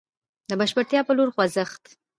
د بشپړتيا په لور خوځښت.